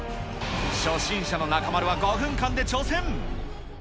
初心者の中丸は５分間で挑戦。